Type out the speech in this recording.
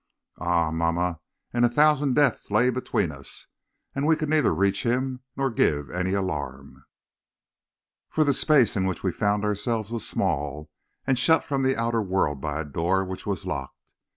"Ah! mamma, and a thousand deaths lay between us; and we could neither reach him nor give any alarm, for the space in which we found ourselves was small and shut from the outer world by a door which was locked.